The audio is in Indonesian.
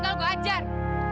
kalau enggak gue ajar